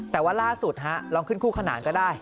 แต่ว่าล่าสุดลองขึ้นคู่ขนานก็ได้